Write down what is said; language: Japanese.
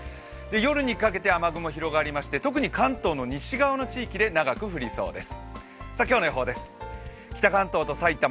夜にかけて雨雲広がりまして特に関東の西側の地域で長く降りそうです。